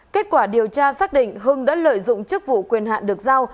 kết quả điều tra xác định hưng đã lợi dụng chức vụ quyền hạn được giao